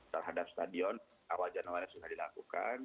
terhadap stadion awal januari sudah dilakukan